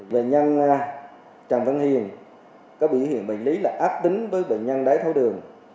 công an tp đà nẵng trần văn hiền có biểu hiện bệnh lý là ác tính với bệnh nhân đáy thấu đường